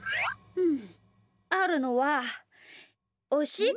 うん？